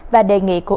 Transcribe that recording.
và đề nghị của